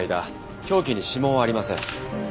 凶器に指紋はありません。